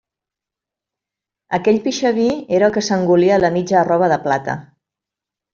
Aquell pixaví era el que s'engolia la mitja arrova de plata.